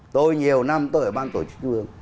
tôi nhiều năm tôi ở ban tổ chức trung ương